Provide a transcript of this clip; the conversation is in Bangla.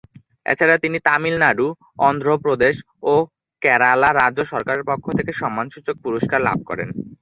এছাড়া তিনি তামিল নাড়ু, অন্ধ্র প্রদেশ ও কেরালা রাজ্য সরকারের পক্ষ থেকে সম্মানসূচক পুরস্কার লাভ করেন।